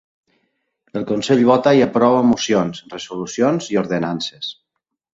El consell vota i aprova mocions, resolucions i ordenances.